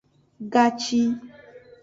Gaci.